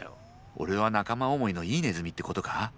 俺は仲間思いのいいネズミってことか？